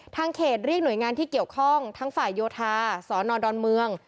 ทางเขตเรียกหน่วยงานที่เกี่ยวข้องทั้งฝ่ายโยธาสนดอนเมือง